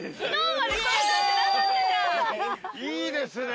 いいですね。